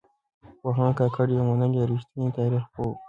پوهاند کاکړ يو منلی او رښتينی تاريخ پوه و.